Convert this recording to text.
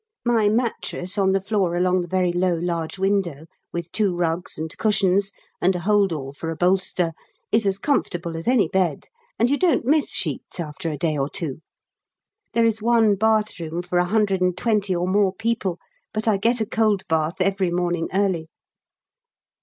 My mattress, on the floor along the very low large window, with two rugs and cushions, and a holdall for a bolster, is as comfortable as any bed, and you don't miss sheets after a day or two. There is one bathroom for 120 or more people, but I get a cold bath every morning early.